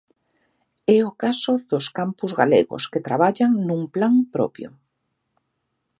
É o caso dos campus galegos que traballan nun plan propio.